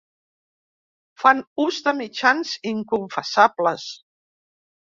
Fan ús de mitjans inconfessables.